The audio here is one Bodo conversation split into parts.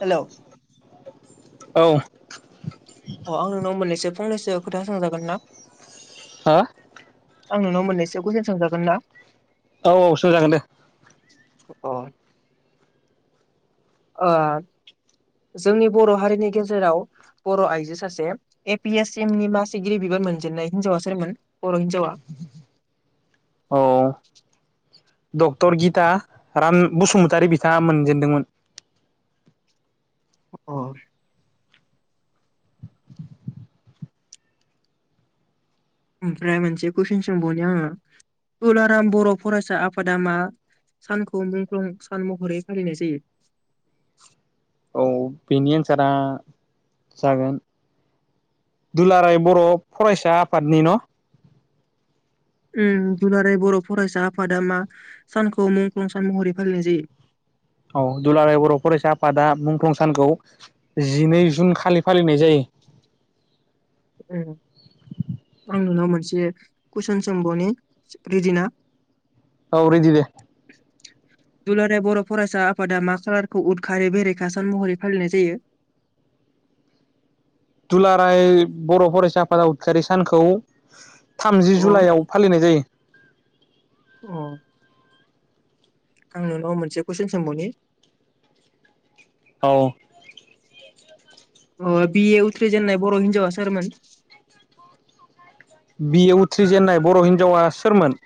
हेल'। औ। अ। आं नोंनाव मोन्नैसो फंनैसो खोथाासांजागोन ना? हो? आं नोंनाव मोननैसो कुइसन सोंजागोन ना? औ औ सोजागोन दे। अ आह जोंनि बर' हारिनि गेजेराव बर' आइजो सासे ए पि एस सिम नि मासिगिरि बिबान मोनजेननाय हिनजावा सोरमोन बर' हिनजावा? औ। डक्टर गिता राम बसुमतारि बिथाङा मोनजेनदोंमोन। अह। ओमफ्राय मोनसे कुइसन सोंबावनो आङो दुलाराम बर' फरायसा आफादा मा? सानखौ मुंख्लं सान महरै फालिनाय जायो? औ। बेनि एन्सारा जागोन दुलाराय बर' फरायसा आफादनि न' दुलाराय बर' फरायसा आफादा मा सानखौ मुंख्लं सान महरै फालिनाय जायो? औ। दुलाराय बर' फरायसा आफादा मुंख्लं सानखौ जिनै जुन खालि फालिनाय जायो। ओं आं नोंनाव मोनसे कुइसन सोंबावनि रेडि ना? औ रिदि दे दुलाराय बर' फरायसा आफादा मा खालारखौ उदखारिै बेरेखा सान महरै फालिनाय जायो? दुलाराय बर' फरायसा आफादा उदखारि सानखौ थामजि अ जुलाइआव फालिनाय जायो। औ। आं नोंनाव मोनसे कुइसन सोंबावनि? औ। बि ए उथ्रिजेननाय बर' हिनजावा सोरमोन? बि ए उथ्रिजेनन्नाय बर' हिनजावा सोरमोन?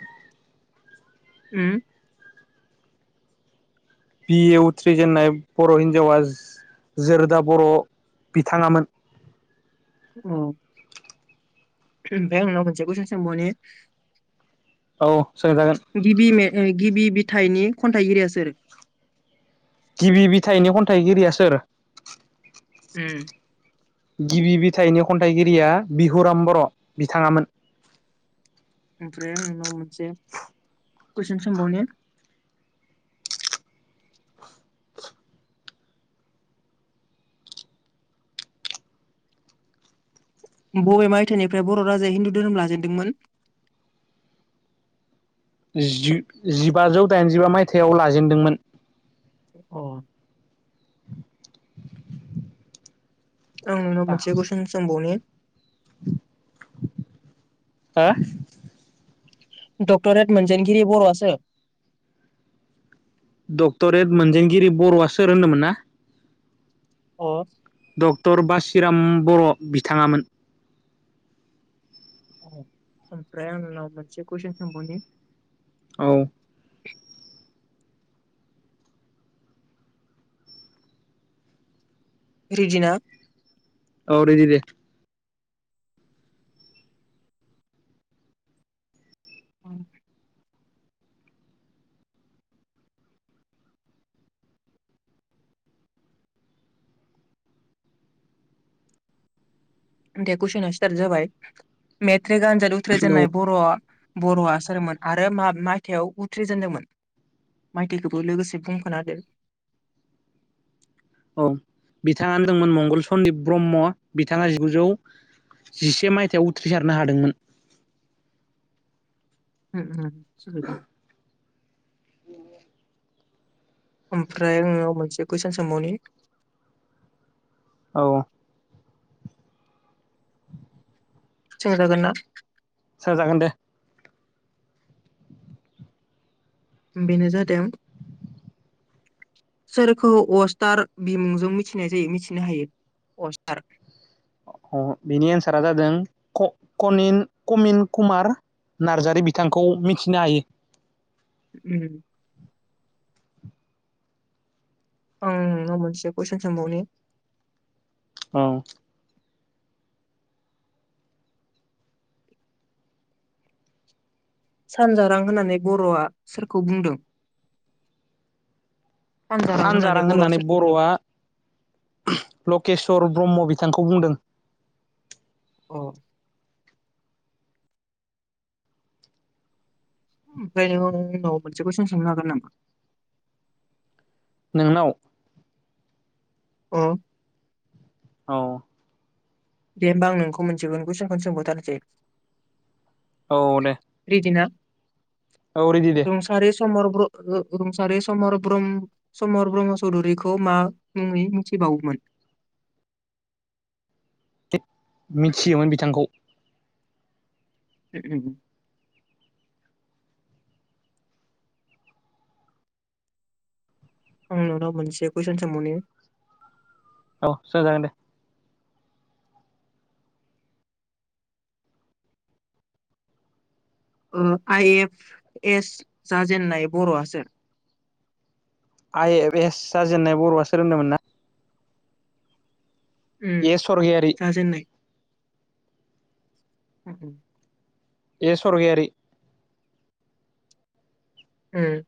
उम बि ए उथ्रिजेननाय बर' हिनजावा जोरोदा बर' बिथाङामोन। उम ओमफ्राय आं नोंनाव मोनसे कुइसन सोंबावनि? औ सोंजागोन गिबि मे ओं गिबि - फिथाइनि खन्थाइगिरिया सोर? गिबिथाइनि खन्थाइगिरिया सोर? उम गिबि बिथाइनि खन्थाइगिरिया बिहुराम बर' बिथाङामोन। ओमफ्राय आं नोंनाव मोनसे कुइसन सोंबावनो? [inaudible] बबे मायथाइनिफ्राय बर' राजाया हिन्दु धोरोम लाजेनदोंमोन? [inaudible] जि जिबाजौ दाइनजिबा मायथाइाव लाजेनदोंमोन। अ आं नोंनाव मोनसे कुइसन सोंबावनि हो? डक्टरेट मोनजनगिरि बर'आसो? डक्ट'रेट मोनजेनगिरि बर'आ सोर होनदोंमोन ना? अ डक्ट'रेट बासिराम बर' बिथाङामोन। ओमफ्राय आं नोंनाव मोनसे कुइसन सोंबावनि औ रिदिना? औ रेदि दे। औ दे कुइसना स्टार्ट जाबाय मेट्रिक आनजाद औ उथ्रिजेननाय बर'आ बर'आ सोरमोन आरो मा मायथाइयाव उथ्रिजेनदोंमोन? माइथायखौबो लोगोसे बुंफाना होदो। [inaudible] औ बिथाङानो दंमोन मंगल सन्दिप ब्रह्म बिथाङा जिगुजौ जिसे मायथाइयाव उथ्रिसारनो हादोंमोन। उम उम सुजुदों। ओमफ्राय नोंनाव मोनसे कुइसन सोंबावनि औ सोंजागोन ना? सोजागोन दे। बेनो जादों [inaudible] सोरखौ अस्टार बिमुंजों मिथिनाय जायो मिथिनो हायो अस्टार? अ बिनि एन्सारा जादों क कनिन कमिन कुमार नार्जारि बिथांखौ मिथिनो हायो। उम ओं नोंनाव मोनसे कुइसन सोंबावनि औ सानजारां होननानै बर'आ सोरखौ बुंदों? सानजारां होननानै बर'आ लकेस्वर ब्रह्म बि बिथांखौ बुंदों। औ ओमफ्राय नों आंनाव मोनसे कुइसन सोंनो हागोन नामा? नोंनाव? ओं अ दे होमबा आं नोंखौ मोनसेखौनो कुइसनखौनो सोंबावथारसै औ दे। औ रेदि दे। रुंसारि समर ब्र ओ रुंसारि समर ब्रम समर ब्रह्म चौधुरिखौ मा मुङै मिथि बावोमोन? [inaudible] मिथियोमोन बिथांखौ। [inaudible] आं नोंनाव मोनसे कुइसन सोंबावनि औ सोंजागोन दे। उम आइएफ एस जाजेननाय बर'आ सार? आइ एफ एस जाजेनन्नाय बर'आ सोर होनदोंमोन ना? उम ए सरगियारि जाजेनाय। [inaudible] ए स्वर्गियारी। उम।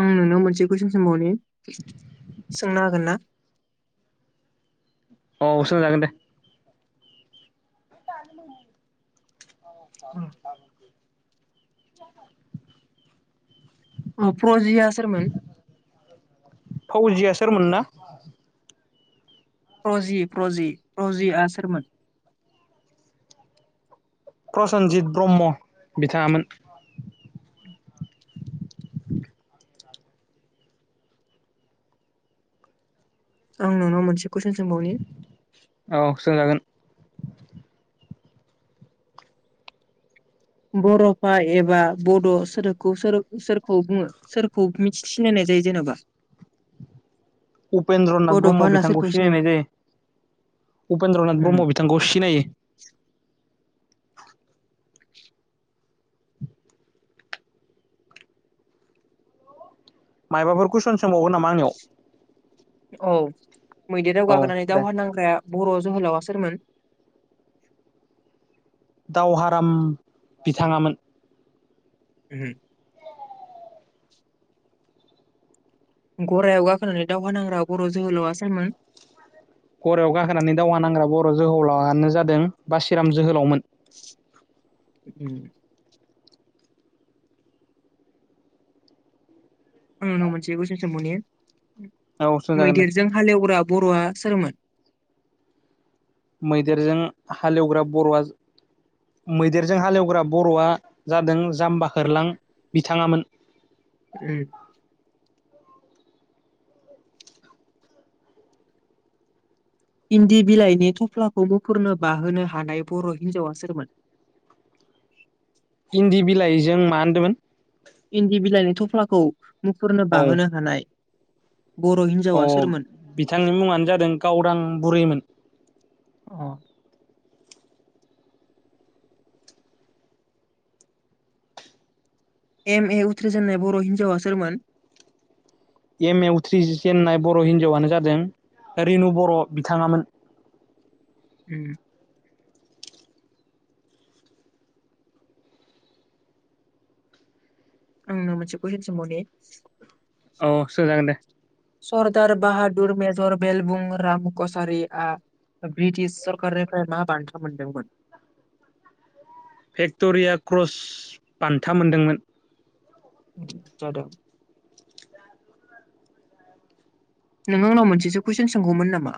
आं नोंनाव मोनसे कुइसन सोंबावनि सोंनो हागोन ना? [inaudible] औ सोंजागोन दे। [unintelligible] प्र'जिया सोरमोन? फौजिया सोरमोन ना? प्रजि प्रजि प्रजिआ सोरमोन? प्रसेनजित ब्रह्म बिथांङामोन। आं नोंनाव मोनसे कुइसन सोंबावनि। औ सोंजागोन। बर'फा एबा बड' सोरखौ सोर सोरखौ बुंङो सोरखौ मिथि सिनायनाय - जायो जेनेबा? [inaudible] उपेन्द्रनाथ बड'फा ब्रह्म होनना बिथांखौ सोरखौ सिनायो सिनायनाय जायो। उपेन्द्रनाथ ब्रह्म बिथांखौ सिनायो। मायबाफोर कुइसन सोंबावगोन नामा आंनियाव? औ मैदेराव औ गाखोनानै दे दावहा नांग्राया बर' जोहोलावा सोरमोन? दावहाराम बिथांङामोन। उम। गरायाव गाखोनानै दावहा नांग्रा बर' जोहोलावआ सारमोन? गरायाव गाखोनानै दावहा नांग्रा बर' जोहोलावानो जादों बासिराम जोहोलावमोन। उम। आं नोंनाव मोनसे कुइसन सोंबावनि औ सोंजागोन दे मैदेरजों हालेवग्रा बर'आ सोरमोन? मैदेरजों हालेवग्रा बर'आ मैदेरजों हालेवग्रा बर'आ जादों जाम्बाहोरलां बिथांङामोन। उम। इन्दि बिलाइनि थफ्लाखौ मुफुरनो बाहोनो हानाय बर' हिन्जावा सोरमोन? इन्दि बिलाइजों मा होनदोंमोन? इन्दि बिलाइनि थफ्लाखौ मुफुरनो बाहोनो हानाय बर' अ हिनजावा सोरमोन बिथांनि मुंङानो जादों गावदां बुरैमोन। अ। एम ए उथ्रिजेननाय बर' हिन्जावा सोरमोन? एम ए उथ्रि जेननाय बर' हिन्जावानो जादों रेनु बर' बिथांङामोन। उम। आं नोंनाव मोनसे कुइसन सोंबावनि। औ सोंजागोन दे। सरदार बाहादुर मेजर बेलबुंराम कसारिआ ब्रिटिश सरकारनिफ्राय मा बान्था मोनदोंमोन? भेक्ट'रिया क्रस बान्था मोनदोंमोन। जादों। नों आंनाव मोनसेसो कुइसन सोंगौमोन नामा?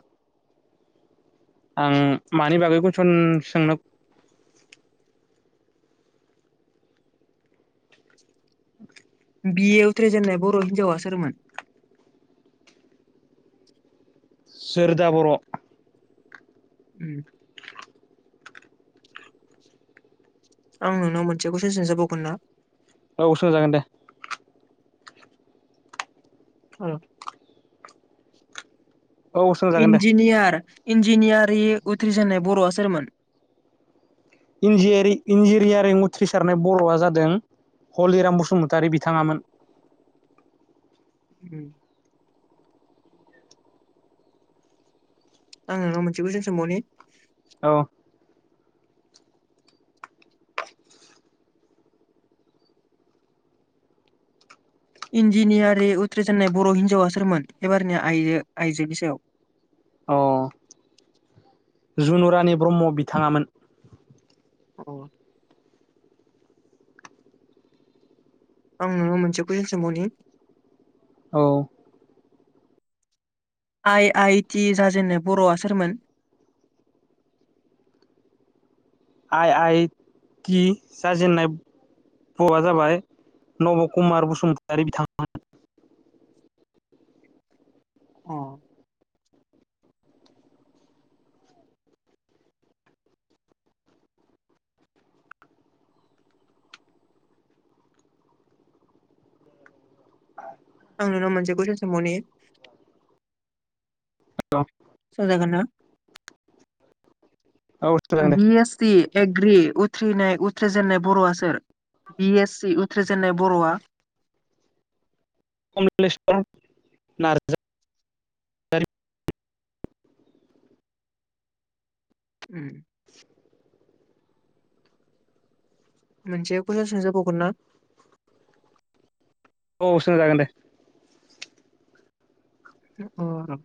आं मानि बागै कुइसन सोंनो [inaudible] बि ए उथ्रजेननाय बर' हिनजावा सोरमोन? सोरदा बर'। उम। आं नोंनाव मोनसे खुयसन सोंजा बावगोन ना औ सोंजागोन दे औ सोंजागोन दे इन्जिनियार इन्जिनियारि उथ्रिसारनाय बर'आ सोरमोन इन्जििरियारिं उथ्रिसारनाय बर'आ जादों हलिराम बसुमतारि बिथाङामोन उ आं नोंनाव मोनसे खुयसन सोंबावनि औ इन्जिनियारि उथ्रिजनाय बर' हिन्जावा सोरमोन एबारनिया आइ आइजोनि सायाव अ जुनुरानि ब्रह्म बिथाङामोन औ आं नोंनाव मोनसे कुइसन सोंबावनि औ आइ आइ टि जाजेननाय बर'आ सोरमोन आइ आइ टि जाजेन्नाय भआ जाबाय नब कुमार बसुमतारि बिथांमोन अ आं नुाव मोनसे कुइसन सोंबावनि [unintelligible] सोंजागोन ना औ सोंजागोन दे बि एस सि एग्रि उथ्रिनाय उथ्रिजेननाय बर'आ सोर बि एस सि उथ्रिजेननाय बर'आ कमलेशर नार्जारि उ [inaudible] मोनसे कुइसन सोंजा बावगोन ना औ सोंजागोन दे अ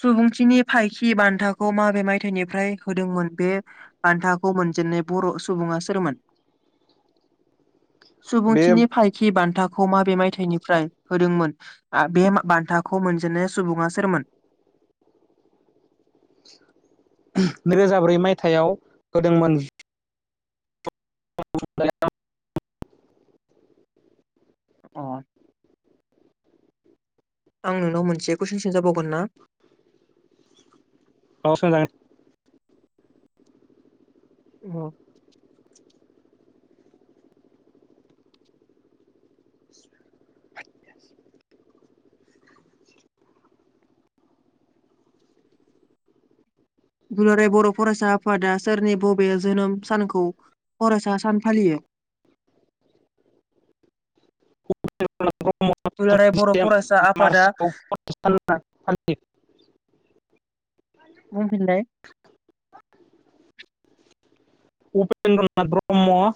सुबुंथिनि फायखि बान्थाखौ माबे मायथायाइनिफ्राय होदोंमोन बे बान्थाखौ मोन जेननाय बर' सुबुङा सोरमोन [inaudible] बे सुबुंथिनि फायखि बान्थाखौ खौ मा बे मायथाइनिफ्राय होदोंमोन बे बान्थाखौ मोनजेननाय सुबुङा सोरमोन नैरोजा ब्रै मायथायाइाव होदोंमोन [inaudible] अ आं नोंनाव मोनसे कुइसन सोजाबावगोन ना औ सोंजागोन औ दुलाराय बर' फरायसा आफादा सोरनि बबे जोनोम सानखौ फरायसा सान फालियो [inaudible] ब्र्म दुलाराय बर' फरायसा आफादा मार्चखौ फालियो बुंफिनलाय उपेन्द्रनाथ ब्रह्म